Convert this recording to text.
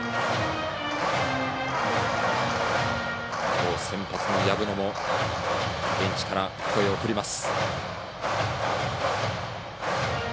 きょう先発の薮野もベンチから声を送ります。